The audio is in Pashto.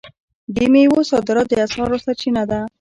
د میوو صادرات د اسعارو سرچینه ده.